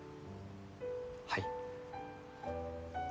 はい。